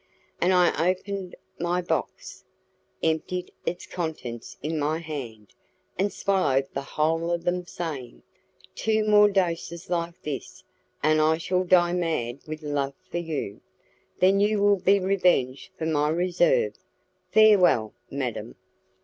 And I opened my box, emptied its contents in my hand, and swallowed the whole of them, saying, "Two more doses like this, and I shall die mad with love for you. Then you will be revenged for my reserve. Farewell, madam."